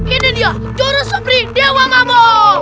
ini dia joroh sobri dewa mamung